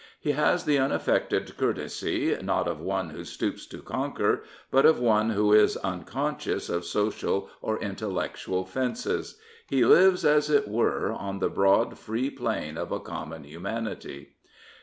He has the unaffected courtesy not of one who stoops to conquer, but of one who is unconscious of social or intellectual fences. He lives, as it were, on the broad, free plain of a common humanity.